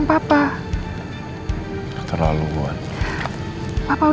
hmm musuh apapun